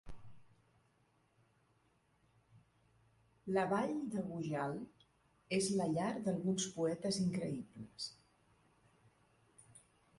La Vall de Gojal és la llar d'alguns poetes increïbles.